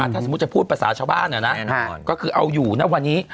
ถ้าสมมุติจะพูดภาษาชาวบ้านก็คือเอาอยู่นะวันนี้